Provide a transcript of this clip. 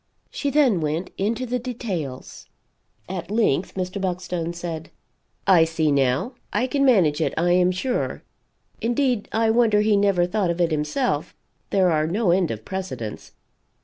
She then went into the details. At length Mr. Buckstone said: "I see now. I can manage it, I am sure. Indeed I wonder he never thought of it himself there are no end of precedents.